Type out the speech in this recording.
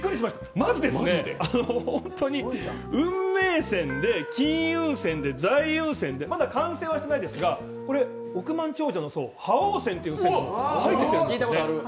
まず本当に運命線で金運線で財運線でまだ完成はしてないですが億万長者だと覇王線という線が入ってきてるんですね。